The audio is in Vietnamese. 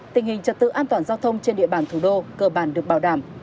tình hình trật tự an toàn giao thông trên địa bàn thủ đô cơ bản được bảo đảm